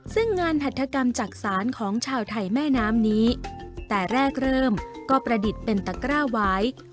ซึ่งงานหัฐกรรมจักษานของชาวไทยแม่น้ำนี้แต่แรกเริ่มก็ประดิษฐ์เป็นตะกร้าหวาย